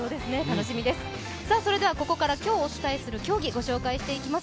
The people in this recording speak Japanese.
それではここから今日お伝えする競技、お知らせします。